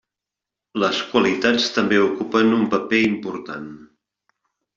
Les qualitats també ocupen un paper important.